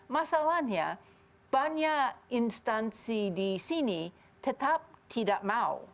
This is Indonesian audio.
masalahnya banyak instansi di sini tetap tidak mau